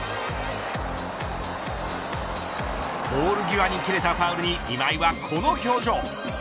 ポール際に切れたファウルに今井はこの表情。